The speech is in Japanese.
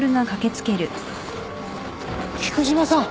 菊島さん！